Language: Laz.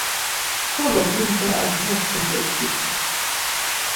Xolo gundze ar gzas kogedgitu.